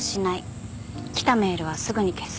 来たメールはすぐに消す。